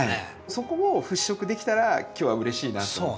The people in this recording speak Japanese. そこを払拭できたら今日はうれしいなと思って。